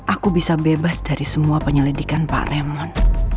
aku bisa bebas dari semua penyelidikan pak reman